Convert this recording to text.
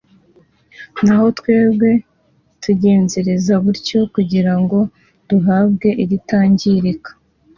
naho twebwe tugenzereza gutyo kugira ngo duhabwe iritangirika.